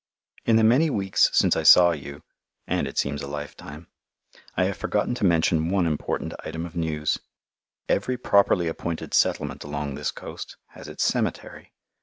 In the many weeks since I saw you and it seems a lifetime I have forgotten to mention one important item of news. Every properly appointed settlement along this coast has its cemetery.